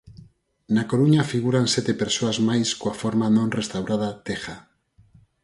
Na Coruña figuran sete persoas máis coa forma non restaurada Teja.